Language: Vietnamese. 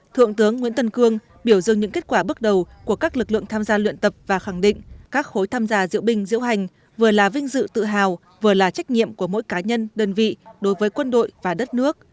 thượng tướng nguyễn tân cương biểu dương những kết quả bước đầu của các lực lượng tham gia luyện tập và khẳng định các khối tham gia diễu binh diễu hành vừa là vinh dự tự hào vừa là trách nhiệm của mỗi cá nhân đơn vị đối với quân đội và đất nước